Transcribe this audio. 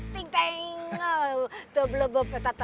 ting tengel teblebeb betata